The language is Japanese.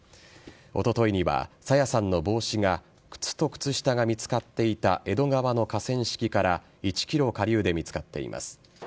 おとといには朝芽さんの帽子が靴と靴下が見つかっていた江戸川の河川敷から１ｋｍ下流で見つかっています。